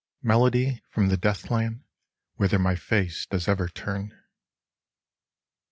— Melody from the Death Land whither my face does ever turn